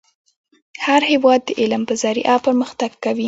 هر هیواد د علم په ذریعه پرمختګ کوي .